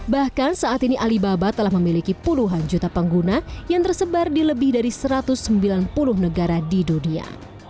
bahkan saat ini alibaba telah memiliki puluhan juta pengguna yang tersebar di lebih dari satu ratus sembilan puluh negara di dunia